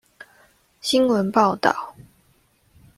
新聞報導